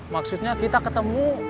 maksudnya kita ketemu